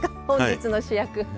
本日の主役。